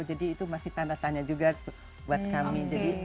jadi itu masih tanda tanya juga buat kami